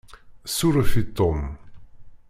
Suref i Tom.